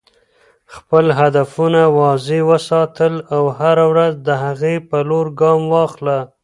خپل هدفونه واضح وساته او هره ورځ د هغې په لور ګام واخله.